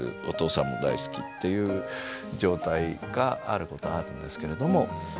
お父さんも大好きっていう状態があることはあるんですけれども。